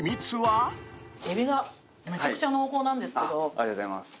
ありがとうございます。